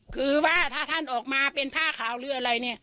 คือว่าถ้าท่านออกมาเป็นพระขาวหรืออะไร